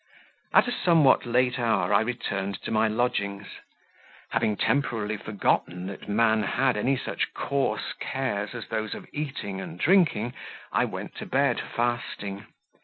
At a somewhat late hour I returned to my lodgings: having temporarily forgotten that man had any such coarse cares as those of eating and drinking, I went to bed fasting.